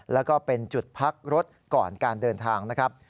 แล้วก็เป็นจุดพักรถก่อนการเดินทางนะครับ